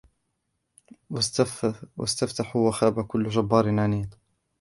واستفتحوا وخاب كل جبار عنيد